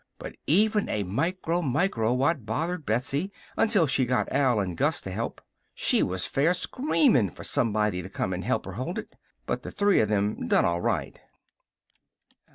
But even a micro micro watt bothered Betsy until she got Al and Gus to help. She was fair screamin' for somebody to come help her hold it. But the three of them done all right."